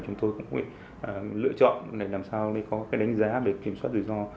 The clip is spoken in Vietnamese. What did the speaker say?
chúng tôi cũng lựa chọn để làm sao có cái đánh giá về kiểm soát rủi ro